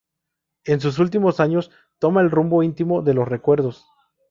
En sus últimos años toma el rumbo íntimo de los recuerdos.